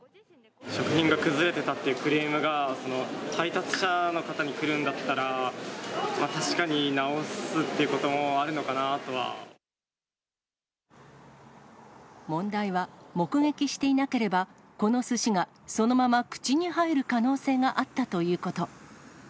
食品が崩れてたっていうクレームが配達者の方に来るんだったら、確かに直すっていうこともあ問題は、目撃していなければ、このすしがそのまま口に入る可能性があったということ。